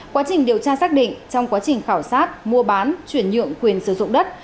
quá trình điều tra xác định trong quá trình khảo sát mua bán chuyển nhượng quyền sử dụng đất